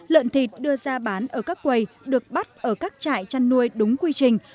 lợn thịt đưa ra bán ở các quầy được bắt ở các trại chăn nuôi đúng quy trình